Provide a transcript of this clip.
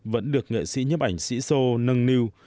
vẫn được nghệ sĩ nhấp ảnh sĩ sô nâng niu